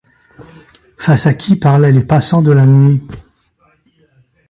face à qui parlaient les passants de la nuit